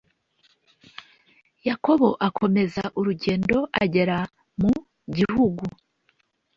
Yakobo akomeza urugendo agera mu gihugu